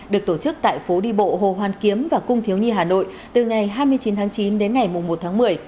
được tổ chức tại phố đi bộ hồ hoàn kiếm và cung thiếu nhi hà nội từ ngày hai mươi chín tháng chín đến ngày một tháng một mươi